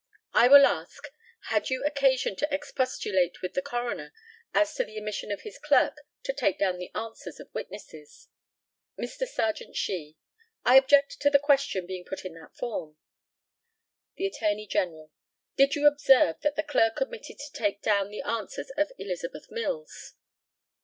I will ask had you occasion to expostulate with the coroner as to the omission of his clerk to take down the answers of witnesses? Mr. Serjeant SHEE: I object to the question being put in that form. The ATTORNEY GENERAL: Did you observe that the clerk omitted to take down the answers of Elizabeth Mills?